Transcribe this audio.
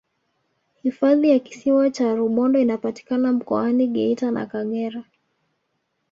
hifadhi ya kisiwa cha rubondo inapatikana mkoani geita na kagera